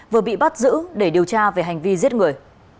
vừa bị bắt giữ để điều tra về hành vi giết người